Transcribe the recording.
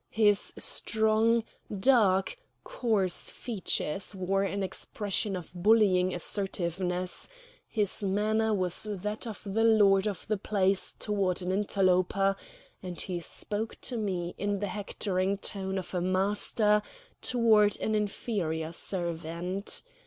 His strong, dark, coarse features wore an expression of bullying assertiveness; his manner was that of the lord of the place toward an interloper; and he spoke to me in the hectoring tone of a master toward an inferior servant.